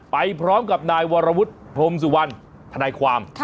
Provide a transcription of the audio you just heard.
ไปพร้อมกับนายวรวุฒิพรมสุวรรณทนายความ